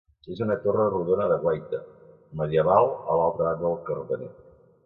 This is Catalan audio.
És una torre rodona de guaita, medieval a l'altra banda del Cardener.